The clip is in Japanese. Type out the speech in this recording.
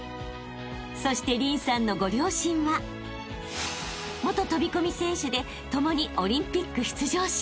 ［そして凜さんのご両親は元飛込選手で共にオリンピック出場者］